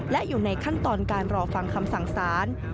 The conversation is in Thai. และอยู่ในขั้นตอนการรอฟังคำสั่งสาร